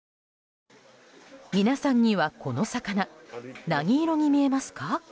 皆さんにはこの魚、何色に見えますか？